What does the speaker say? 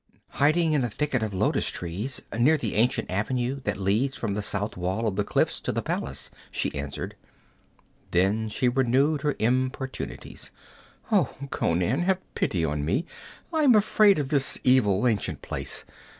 'Hiding in a thicket of lotus trees, near the ancient avenue that leads from the south wall of the cliffs to the palace,' she answered. Then she renewed her importunities. 'Oh, Conan, have pity on me! I am afraid of this evil, ancient place.